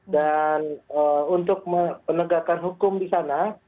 dan untuk menegakkan hukum di sana